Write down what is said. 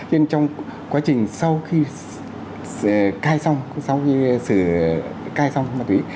nhưng trong quá trình sau khi cai xong sau khi sửa cai xong ma túy